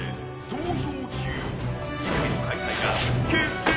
逃走中次回の開催が決定！